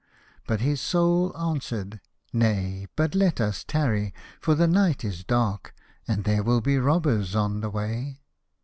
But his Soul answered, " Nay, but let us tarry, for the night is dark and there will be robbers on the way."